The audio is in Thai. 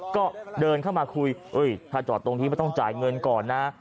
ก็เดินเข้ามาคุยถ้าจอดตรงนี้ไม่ต้องจ่ายเงินก่อนนะ